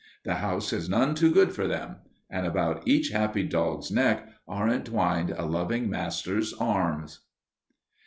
The house is none too good for them. And about each happy dog's neck are entwined a loving master's arms.